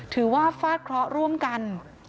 ถือว่าฟาดเคราะห์ร่วมกัน